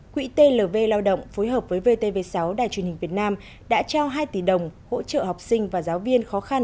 quỹ tv lao động phối hợp với vtv sáu đài truyền hình việt nam đã trao hai tỷ đồng hỗ trợ học sinh và giáo viên khó khăn